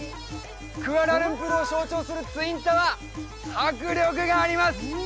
クアラルンプールを象徴するツインタワー迫力があります